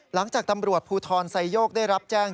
หลังจากตำรวจภูทรไซโยกได้รับแจ้ง